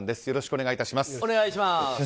よろしくお願いします。